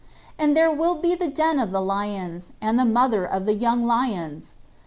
And there will be the den of the lions, and the mother of the young lions!